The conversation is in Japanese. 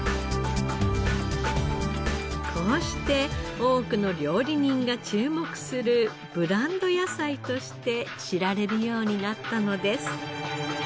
こうして多くの料理人が注目するブランド野菜として知られるようになったのです。